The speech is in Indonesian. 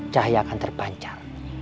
cahaya akan terpancar